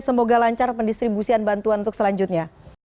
semoga lancar pendistribusian bantuan untuk selanjutnya